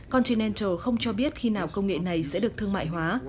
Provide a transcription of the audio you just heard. continental không cho biết khi nào công nghệ này sẽ được thương mại hóa